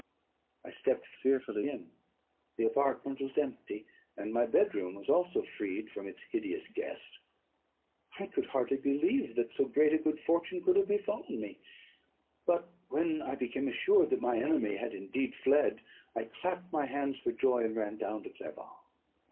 I stepped fearfully in: the apartment was empty; and my bed room was also freed from its hideous guest. I could hardly believe that so great a good fortune could have befallen me; but when I became assured that my enemy had indeed fled, I clapped my hands for joy, and ran down to Clerval.